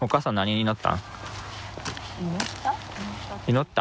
祈った？